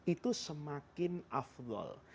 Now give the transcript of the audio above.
itu semakin aflol